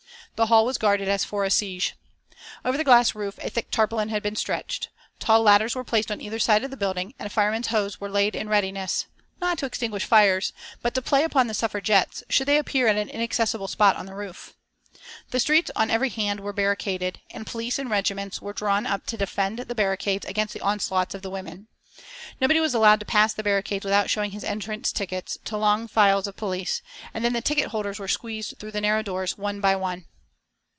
The hall was guarded as for a siege. Over the glass roof a thick tarpaulin had been stretched. Tall ladders were placed on either side of the building, and firemen's hose were laid in readiness not to extinguish fires, but to play upon the Suffragettes should they appear at an inaccessible spot on the roof. The streets on every hand were barricaded, and police, in regiments, were drawn up to defend the barricades against the onslaughts of the women. Nobody was allowed to pass the barricades without showing his entrance tickets to long files of police, and then the ticket holders were squeezed through the narrow doors one by one.